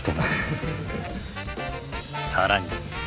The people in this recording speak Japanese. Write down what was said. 更に。